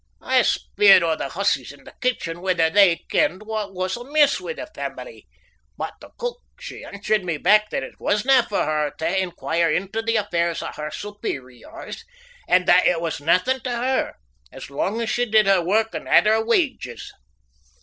I speered o' the hussies in the kitchen whether they kenned what was amiss wi' the family, but the cook she answered me back that it wasna for her tae inquire into the affairs o' her superiors, and that it was naething to her as long as she did her work and had her wages.